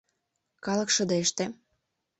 Калык шыдеште.